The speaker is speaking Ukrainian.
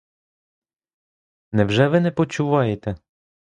Невже ви не почуваєте?